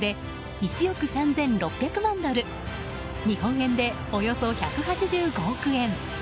１億３６００万ドル日本円でおよそ１８５億円。